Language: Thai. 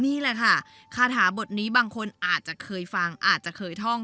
นี่แหละค่ะคาถาบทนี้บางคนอาจจะเคยฟังอาจจะเคยท่อง